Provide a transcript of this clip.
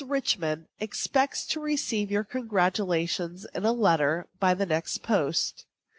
Richman expects to receive your congratulations in a letter by the next post.